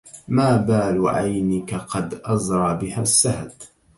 ما بال عينك قد أزرى بها السهد